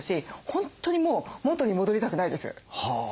本当にもう元に戻りたくないです。